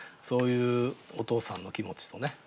そういうお父さんの気持ちとね。